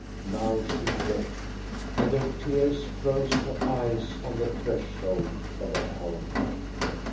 Now she wept, and her tears froze to ice on the threshold of her home.